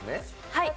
はい。